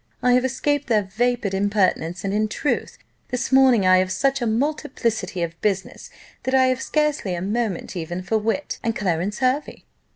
I have escaped their vapid impertinence; and in truth, this morning I have such a multiplicity of business, that I have scarcely a moment even for wit and Clarence Hervey.